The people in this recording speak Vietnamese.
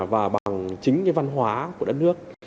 từ duy và bằng chính cái văn hóa của đất nước